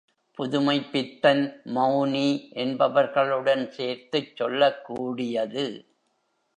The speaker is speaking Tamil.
புதுமைப்பித்தன், மெளனி என்பவர்களுடன் சேர்த்துச் சொல்லக்கூடியது.